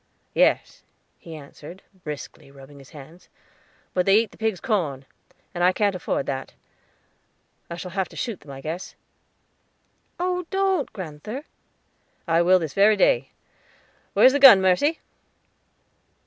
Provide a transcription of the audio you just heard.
"Yes," he answered, briskly rubbing his hands, "but they eat the pig's corn; and I can't afford that; I shall have to shoot them, I guess." "Oh, don't, grand'ther." "I will this very day. Where's the gun, Mercy?"